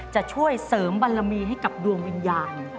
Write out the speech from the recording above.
จะช่วยเสริมบารมีให้กับดวงวิญญาณ